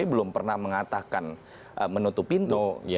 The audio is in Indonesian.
belum pernah mengatakan menutup pintu